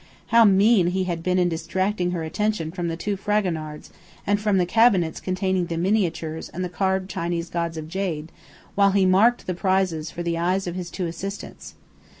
How mean he had been in distracting her attention from the two Fragonards and from the cabinets containing the miniatures and the carved Chinese gods of jade while he "marked" the prizes for the eyes of his two assistants.